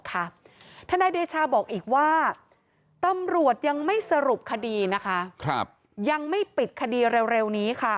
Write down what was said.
ทนายเดชาบอกอีกว่าตำรวจยังไม่สรุปคดีนะคะยังไม่ปิดคดีเร็วนี้ค่ะ